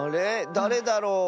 だれだろう。